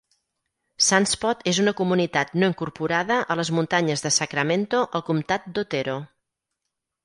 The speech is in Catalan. Sunspot és una comunitat no incorporada a les muntanyes de Sacramento al comtat d'Otero.